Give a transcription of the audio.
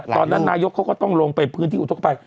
นายกเขาก็ต้องลงไปพื้นที่อุทธกภัย